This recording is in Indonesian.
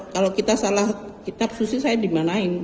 kalau kita salah kitab susi saya dimanain